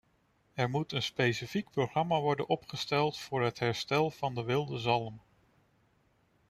Er moet een specifiek programma worden opgesteld voor het herstel van de wilde zalm.